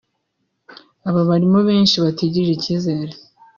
Aba barimo benshi batigirira icyizere